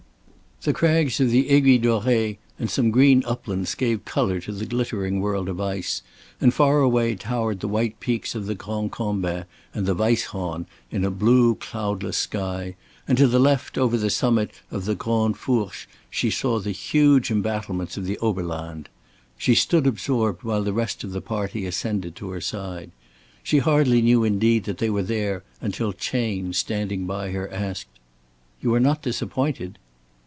The crags of the Aiguille Dorées, and some green uplands gave color to the glittering world of ice, and far away towered the white peaks of the Grand Combin and the Weisshorn in a blue cloudless sky, and to the left over the summit of the Grande Fourche she saw the huge embattlements of the Oberland. She stood absorbed while the rest of the party ascended to her side. She hardly knew indeed that they were there until Chayne standing by her asked: "You are not disappointed?"